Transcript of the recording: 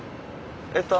えっと